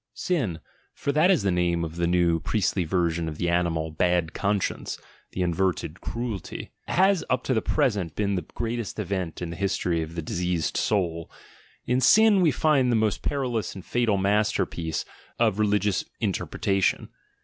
"Sin" — for that is the name of the new priestly version of the animal "bad conscience" (the inverted cruelty) — i52 THE GENEALOGY OF MORALS ip to the present been the greatest event in the his tory of the diseased soul; in "sin" we find the most perilous and fatal masterpiece of religious interpretation.